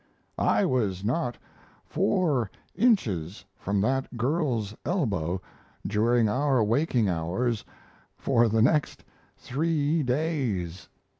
"I was not four inches from that girl's elbow during our waking hours for the next three days."